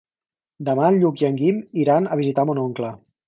Demà en Lluc i en Guim iran a visitar mon oncle.